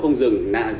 không bởi vì